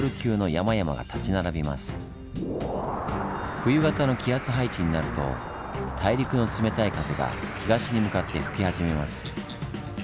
冬型の気圧配置になると大陸の冷たい風が東に向かって吹き始めます。